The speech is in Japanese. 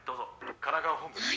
神奈川本部了解。